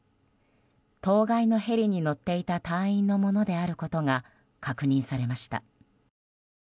当該のヘリに乗っていた隊員のものであることが確認されました。